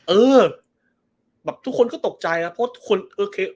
เออแบบทุกคนก็ตกใจแล้ว